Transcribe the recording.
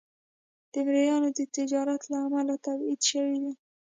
د مریانو د تجارت له امله تبعید شوی دی.